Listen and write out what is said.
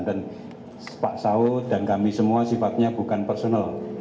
dan pak sau dan kami semua sifatnya bukan personal